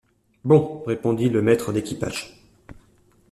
Bon!... répondit le maître d’équipage.